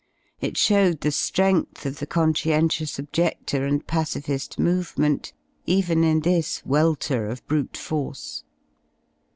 It showed the ^rength of the con scientious objedlor and pacific movement, even in this welter of brute force.